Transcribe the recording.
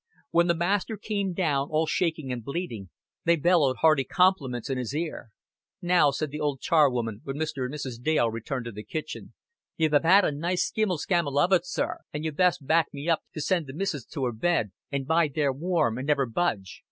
When the master came down, all shaking and bleeding, they bellowed hearty compliments in his ear. "Now," said the old charwoman, when Mr. and Mrs. Dale returned to the kitchen, "you've a 'aad a nice skimmle skammle of it, sir, an' you best back me up to send the missis to her bed, and bide there warm, and never budge.